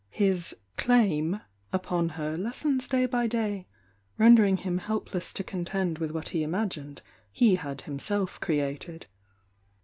His "claim" upon her lessens day by day, rendering him helpless to contend with what he imagined ho had himself created.